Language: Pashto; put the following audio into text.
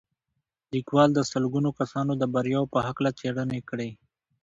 ليکوال د سلګونه کسانو د برياوو په هکله څېړنې کړې.